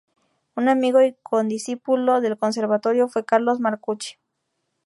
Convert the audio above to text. Un amigo y condiscípulo del conservatorio fue Carlos Marcucci.